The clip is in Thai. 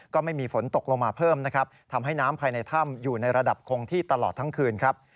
ก็ไม่มีฝนตกลงมาเพิ่มนะครับทำให้น้ำภายในถ้ำอยู่ในระดับคงที่ตลอดทั้งคืนครับ